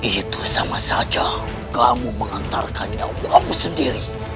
itu sama saja kamu mengantarkannya untuk kamu sendiri